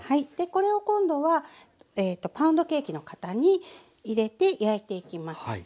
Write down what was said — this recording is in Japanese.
これを今度はパウンドケーキの型に入れて焼いていきます。